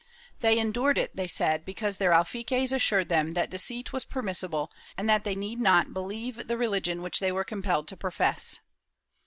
They endured it, they said, because their alfaquies assured them that deceit was permissible, and that they need not believe the religion which they were compelled to profess.